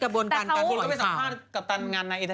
เขาไปสัมภาษณ์กับบั่งงานในอิธเทน